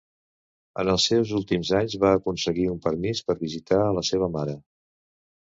En els seus últims anys va aconseguir un permís per visitar a la seva mare.